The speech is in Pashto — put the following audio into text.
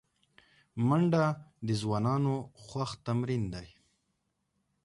منډه د ځوانانو خوښ تمرین دی